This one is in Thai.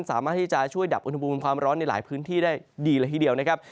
สามารถที่จะช่วยดับอุณหภูมิความร้อนในหลายพื้นที่ได้ดีเลยทีเดียวนะครับ